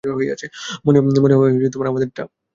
মনে হয় আমাদেরটা।